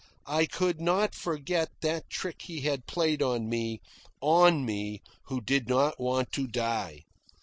I could not forget that trick he had played on me on me who did not want to die.